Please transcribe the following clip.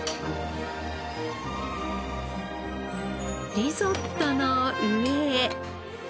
リゾットの上へ。